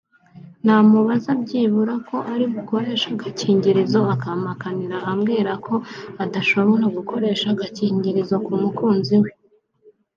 namubaza byibura ko ari bukoreshe agakingirizo akampakanira ambwira ko adashobora gukoresha agakingirizo k’umukunzi we